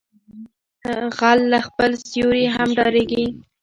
غل له خپل سيوري هم ډاریږي